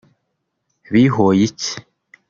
Bihoyiki